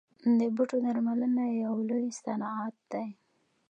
د بوټو درملنه یو لوی صنعت دی